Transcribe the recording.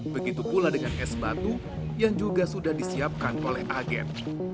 begitu pula dengan es batu yang juga sudah disiapkan oleh agen